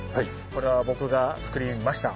これは僕が作りました。